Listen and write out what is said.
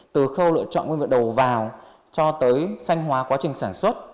từ khâu lựa chọn nguyên vật đầu vào cho tới sanh hóa quá trình sản xuất